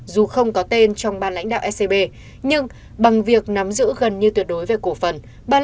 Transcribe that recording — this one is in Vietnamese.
dù không có tên trong ban lãnh đạo scb nhưng bằng việc nắm giữ gần như tuyệt đối về cổ phần